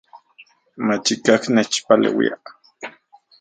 Machikaj nechpaleuia